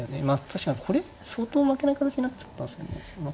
確かにこれ相当負けない形になっちゃったんですよね。